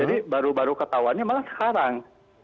jadi baru baru ketahuannya malah sekarang